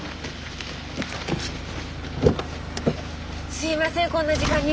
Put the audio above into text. すいませんこんな時間に。